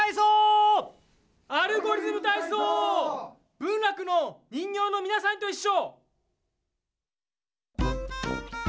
文楽の人形のみなさんといっしょ！